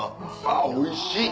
あっおいしい。